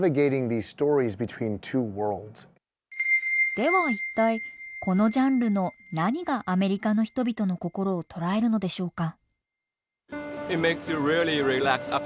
では一体このジャンルの何がアメリカの人々の心を捉えるのでしょうか？